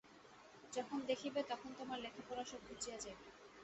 যখন দেখিবে তখন তোমার লেখাপড়া সব ঘুচিয়া যাইবে।